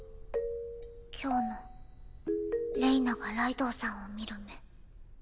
今日のれいながライドウさんを見る目。